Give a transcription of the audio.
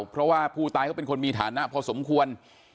เพราะว่าผู้ตายเขาเป็นคนมีฐานะพอสมควร